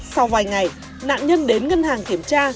sau vài ngày nạn nhân đến ngân hàng kiểm tra